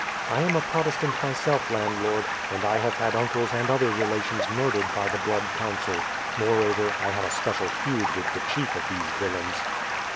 "I am a Protestant myself, landlord, and I have had uncles and other relations murdered by the Blood Council. Moreover I have a special feud with the chief of these villains."